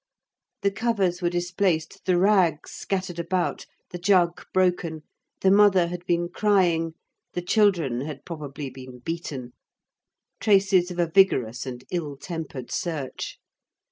The covers were displaced, the rags scattered about, the jug broken, the mother had been crying, the children had probably been beaten; traces of a vigorous and ill tempered search.